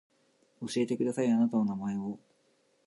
教えてくださいあなたの名前を